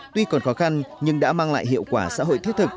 tuy còn khó khăn nhưng đã mang lại hiệu quả xã hội thiết thực